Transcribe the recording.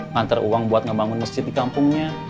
ngantar uang buat ngebangun masjid di kampungnya